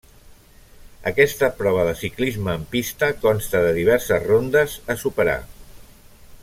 Aquesta prova de ciclisme en pista consta de diverses rondes a superar.